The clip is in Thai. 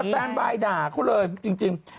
แต่นบายด่าเขาเลยจริง